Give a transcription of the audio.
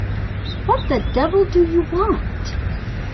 What the devil do you want?